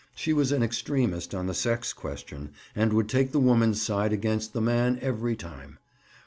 She was an extremist on the sex question and would take the woman's side against the man every time.